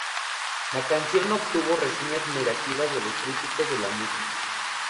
La canción obtuvo reseñas negativas de los críticos de la música.